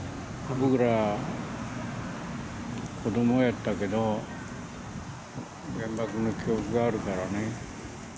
僕ら、子どもやったけど、原爆の記憶があるからね。